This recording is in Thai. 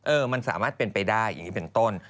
มันสามารถเป็นไปได้อย่างนี้เป็นต้น